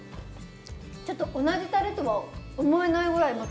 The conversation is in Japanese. ちょっと同じたれとは思えないぐらいまた。